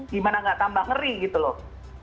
gimana gak tambah ngeri gitu loh